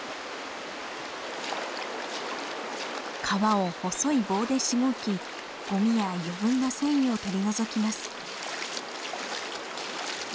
皮を細い棒でしごきゴミや余分な繊維を取り除きます。